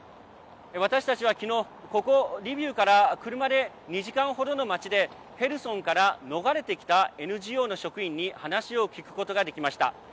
私たちは、きのうここ、リビウから車で２時間ほどの町でヘルソンから逃れてきたＮＧＯの職員に話を聞くことができました。